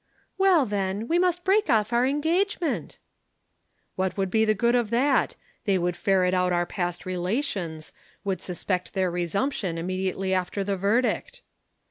"'Well, then, we must break off our engagement.' "'What would be the good of that? They would ferret out our past relations, would suspect their resumption immediately after the verdict.'